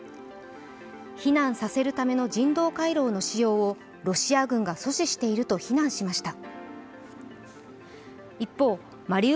避難させるための人道回廊の使用をロシア軍が阻止していると非難しました。